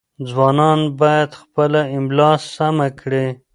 ځوانان باید خپله املاء سمه کړي.